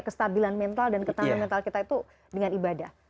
kestabilan mental dan ketahanan mental kita itu dengan ibadah